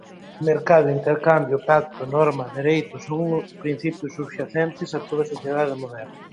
mercado, intercambio, pacto, norma, dereito son principios subxacentes a toda sociedade moderna.